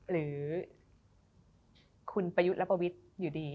หรือคุณประยุทธ์และประวิทย์อยู่ดี